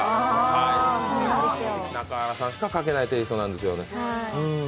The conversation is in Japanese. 中原さんしか描けないテーストですね。